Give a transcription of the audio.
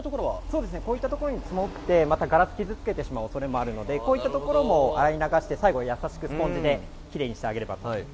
こういったところに積もって、ガラスを傷付けてしまう恐れがあるので、こういうところも洗い流して、最後に優しくスポンジでキレイにしてあげれば。